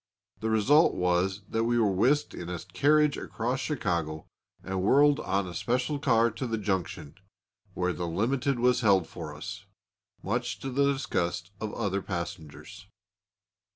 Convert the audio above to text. The result was that we were whisked in a carriage across Chicago and whirled on a special car to the junction, where the limited was held for us, much to the disgust of the other passengers.